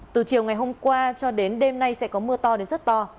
từ chiều ngày hôm qua cho đến đêm nay sẽ có mưa to đến rất to